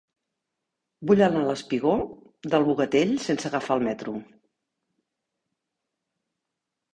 Vull anar al espigó del Bogatell sense agafar el metro.